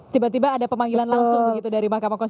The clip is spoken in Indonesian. tiba tiba ada pemanggilan langsung begitu dari mahkamah konstitusi